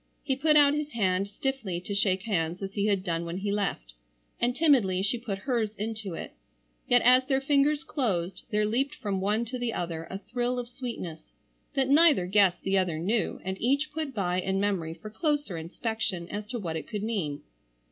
He put out his hand stiffly to shake hands as he had done when he left, and timidly she put hers into it, yet as their fingers closed there leaped from one to the other a thrill of sweetness, that neither guessed the other knew and each put by in memory for closer inspection as to what it could mean.